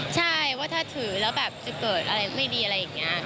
ใช่ว่าถ้าถือแล้วแบบจะเกิดอะไรไม่ดีอะไรอย่างนี้